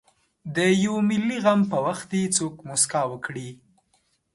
د یوه ملي غم په وخت دې څوک مسکا وکړي.